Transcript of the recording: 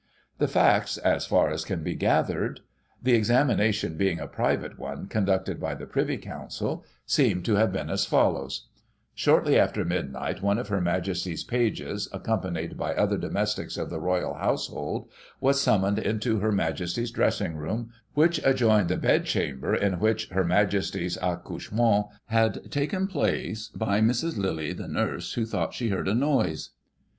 The facts, as far as can be gathered — the examination being a private one, conducted by the Privy Council — seem to have been as follows : Shortly after midnight, one of Her Majesty's pages, accompanied by other domestics of the Royal house hold, was summoned into Her Majesty's dressing room, which adjoined the bed chamber in which Her Majesty's accouche ment had. taken place, by Mrs. Lilly, the nurse, who thought she heard a noise.